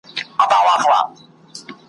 دسهار خوب